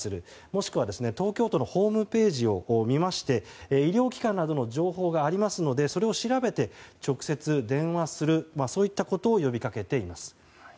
もしくは東京都のホームページを見まして医療機関などの情報がありますのでそれを調べて、直接電話するそういったことを呼びかけています。